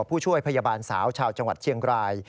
ผู้ช่วยพยาบาลสาวชาวจังหวัดเชียงราย